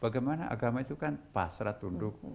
bagaimana agama itu kan pasrah tunduk